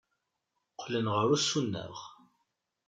Qqlen ɣer ussuneɣ.